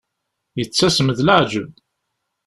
Yettasem d leεǧeb.